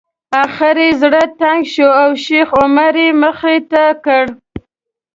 اخر یې زړه تنګ شو او شیخ عمر یې مخې ته کړ.